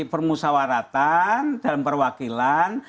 permusawaratan dalam perwakilan